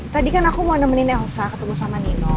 tadi kan aku mau nemenin elsa ketemu sama nino